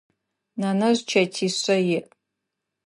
Нэнэжъ чэтишъэ иӏ.